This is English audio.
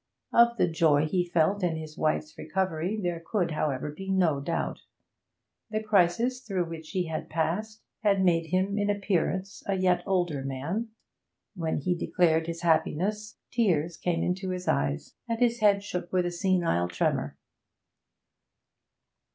Of the joy he felt in his wife's recovery there could, however, be no doubt. The crisis through which he had passed had made him, in appearance, a yet older man; when he declared his happiness tears came into his eyes, and his head shook with a senile tremor.